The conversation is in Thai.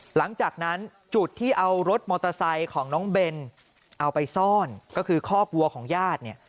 หลังจากนั้นจุดที่เอารถมอเตอร์ไซค์ของน้องเบนเอาไปซ่อนก็คือคอกวัวของญาติเนี่ย